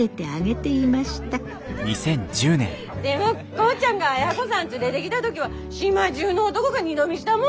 でも耕ちゃんが亜哉子さん連れできた時は島中の男が二度見したもんね